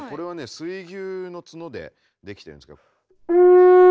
水牛の角でできてるんですけど。